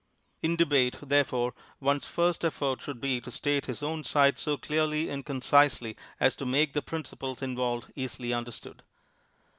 In debate, therefore, one's first effort should be to state his own side so clearly and concisely as to make the principles involved easily understood.